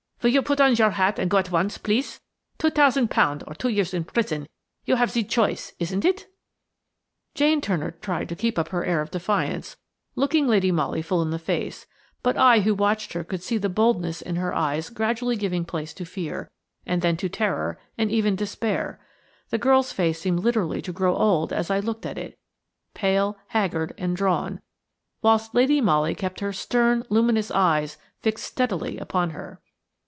"Vill you put on your hat and go at once, please? Two tousend pound or two years in prison–you have ze choice–isn't it?" Jane Turner tried to keep up her air of defiance, looking Lady Molly full in the face; but I who watched her could see the boldness in her eyes gradually giving place to fear, and then to terror and even despair; the girl's face seemed literally to grow old as I looked at it–pale, haggard, and drawn–whilst Lady Molly kept her stern, luminous eyes fixed steadily upon her.